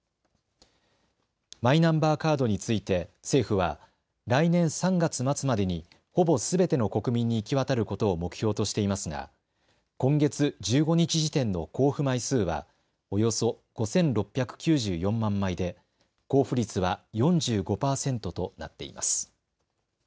マイナンバーカードについて政府は来年３月末までにほぼすべての国民に行き渡ることを目標としていますが今月１５日時点の交付枚数はおよそ５６９４万枚で交付率は４５％となっています。